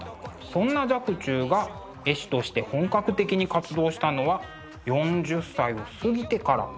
そんな若冲が絵師として本格的に活動したのは４０歳を過ぎてから。